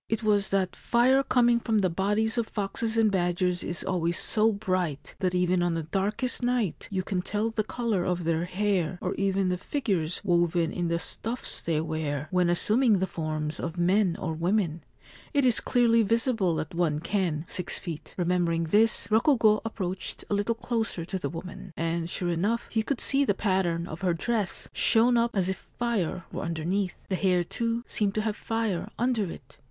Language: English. It was that fire coming from the bodies of foxes and badgers is always so bright that even on the darkest night you can tell the colour of their hair, or even the figures woven in the stuffs they wear, when 317 Ancient Tales and Folklore of Japan assuming the forms of men or women ; it is clearly visible at one ken (six feet). Remembering this, Rokugo ap proached a little closer to the woman ; and, sure enough, he could see the pattern of her dress, shown up as if fire were underneath. The hair, too, seemed to have fire under it.